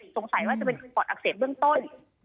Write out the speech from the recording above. สงสัยว่าจะเป็นปอดอักเสบเบื้องต้น